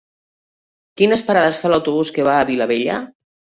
Quines parades fa l'autobús que va a Vilabella?